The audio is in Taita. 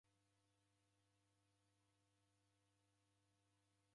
Vadu vake verashuka